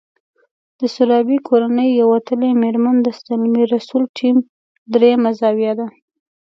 د سرابي کورنۍ يوه وتلې مېرمن د زلمي رسول ټیم درېيمه زاویه ده.